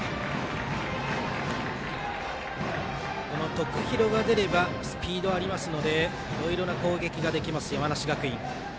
徳弘が出ればスピードありますのでいろいろな攻撃ができます山梨学院。